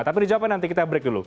tapi dijawabkan nanti kita break dulu